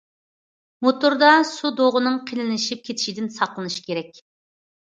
موتوردا سۇ دۇغىنىڭ قېلىنلىشىپ كېتىشىدىن ساقلىنىش كېرەك.